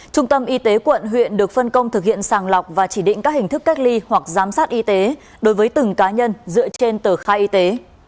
trung tâm y tế quận huyện được phân công thực hiện sàng lọc và chỉ định các hình thức cách ly hoặc giám sát y tế đối với từng cá nhân dựa trên tờ khai y tế